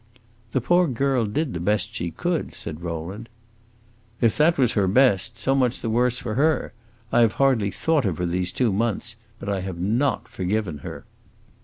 "The poor girl did the best she could," said Rowland. "If that was her best, so much the worse for her! I have hardly thought of her these two months, but I have not forgiven her."